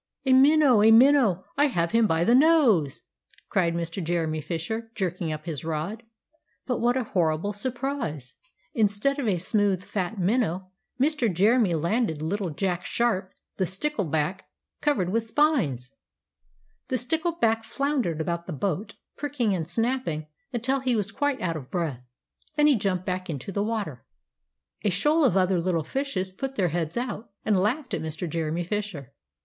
"A minnow! a minnow! I have him by the nose!" cried Mr. Jeremy Fisher, jerking up his rod. But what a horrible surprise! Instead of a smooth fat minnow, Mr. Jeremy landed little Jack Sharp the stickleback, covered with spines! The stickleback floundered about the boat, pricking and snapping until he was quite out of breath. Then he jumped back into the water. And a shoal of other little fishes put their heads out, and laughed at Mr. Jeremy Fisher.